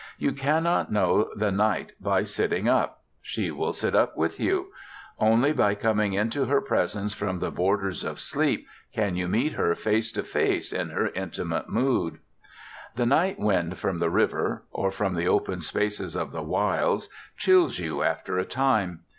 You cannot know the night by sitting up; she will sit up with you. Only by coming into her presence from the borders of sleep can you meet her face to face in her intimate mood. The night wind from the river, or from the open spaces of the wilds, chills you after a time.